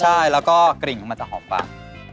ใช่แล้วก็กลิ่นของมันจะหอมกว่า